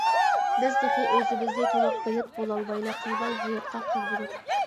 بىز تېخى ئۆزىمىزنى تولۇق بىلىپ بولالمايلا قالماي ھاياتقا قانمىدۇق.